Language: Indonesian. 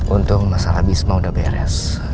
untung masalah bisma sudah beres